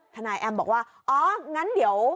นายแอมบอกว่าอ๋องั้นเดี๋ยว